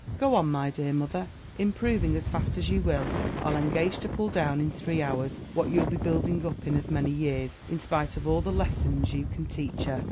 Go on, my dear mother, improving as fast as you will: I'll engage to pull down in three hours, what you'll be building up in as many years, in spite of all the lessons you can teach her.'